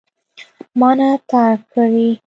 ما نه تا کړی.